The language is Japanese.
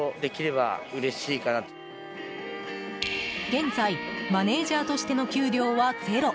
現在マネジャーとしての給料はゼロ。